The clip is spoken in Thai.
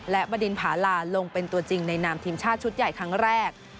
และบดินผาลาลงเป็นตัวจริงในนามทีมชาติชุดใหญ่ครั้งแรก